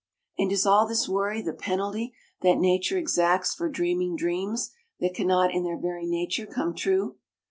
And is all this worry the penalty that Nature exacts for dreaming dreams that can not in their very nature come true?